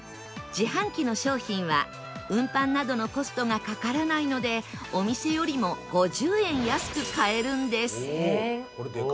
自販機の商品は運搬などのコストがかからないのでお店よりも５０円安く買えるんです